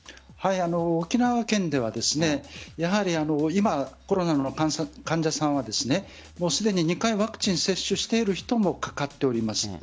沖縄県ではやはり今、コロナの患者さんはすでに２回ワクチンを接種している人もかかっています。